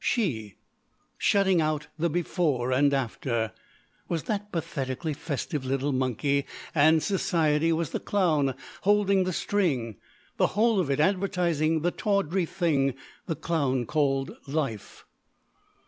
She shutting out the before and after was that pathetically festive little monkey; and society was the clown holding the string the whole of it advertising the tawdry thing the clown called life.